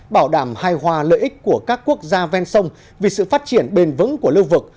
bảo đảm hài hòa lợi ích của các quốc gia ven sông vì sự phát triển bền vững của lưu vực